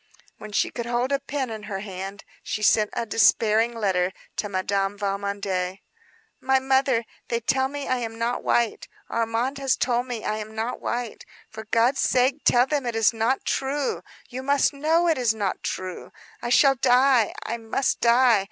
When she could hold a pen in her hand, she sent a despairing letter to Madame Valmondé. "My mother, they tell me I am not white. Armand has told me I am not white. For God's sake tell them it is not true. You must know it is not true. I shall die. I must die.